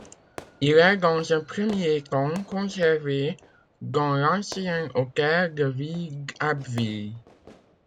Il est, dans un premier temps, conservé dans l'ancien Hôtel de Ville d'Abbeville.